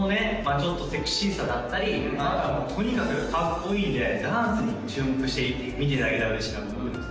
ちょっとセクシーさだったりあとはとにかくかっこいいんでダンスも注目して見ていただけたら嬉しいなと思います